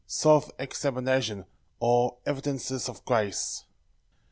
Self examination; or, Evidences of grace.